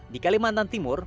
di kalimantan timur